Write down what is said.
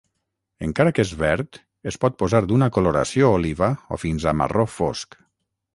Encara que és verd es pot posar d'una coloració oliva o fins a marró fosc.